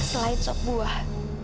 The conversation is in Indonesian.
selain sok buah